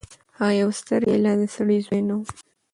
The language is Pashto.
هغه يو سترګې لا د سړي زوی نه وو.